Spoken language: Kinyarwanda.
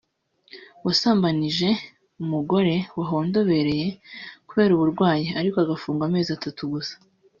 wasambanyije umugore wahondobereye kubera uburwayi ariko agafungwa amezi atatu gusa